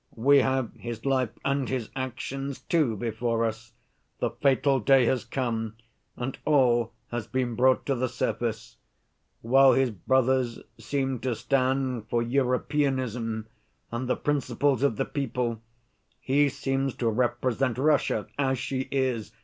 We have his life and his actions, too, before us; the fatal day has come and all has been brought to the surface. While his brothers seem to stand for 'Europeanism' and 'the principles of the people,' he seems to represent Russia as she is.